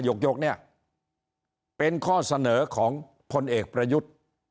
ยกเนี่ยเป็นข้อเสนอของพลเอกประยุทธ์